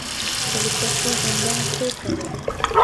پل چرخي زندان چیرته دی؟